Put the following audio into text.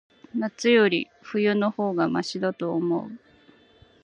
夏より、冬の方がましだと思う。